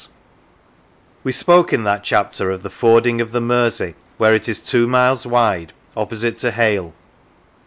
153 u Lancashire We spoke in that chapter of the fording of the Mersey, where it is two miles wide, opposite to Hale.